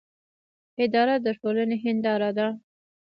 اداره د ټولنې هنداره ده